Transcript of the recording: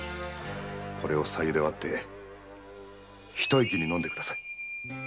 これを白湯で割って一息に飲んでください。